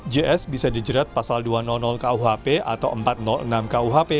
js bisa dijerat pasal dua ratus kuhp atau empat ratus enam kuhp